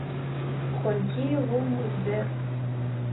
Коньки, лум, издер...